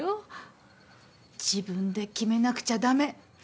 自分で決めなくちゃ駄目。